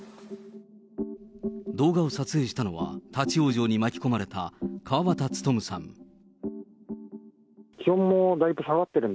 動画を撮影したのは、立往生に巻き込まれた河端勉さん。